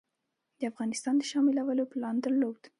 د افغانستان د شاملولو پلان درلود.